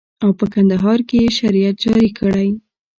او په کندهار کښې يې شريعت جاري کړى.